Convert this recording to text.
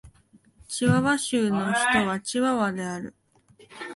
チワワ州の州都はチワワである